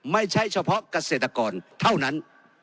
ไม่ใช่เฉพาะเกษตรกรเท่านั้น